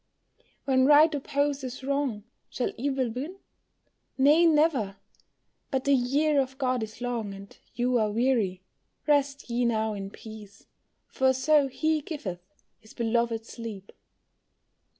"When right opposes wrong, shall evil win? Nay, never but the year of God is long, And you are weary, rest ye now in peace, For so He giveth His beloved sleep."